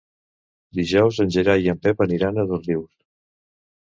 Dijous en Gerai i en Pep aniran a Dosrius.